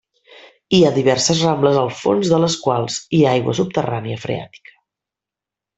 Hi ha diverses rambles al fons de les quals hi ha aigua subterrània freàtica.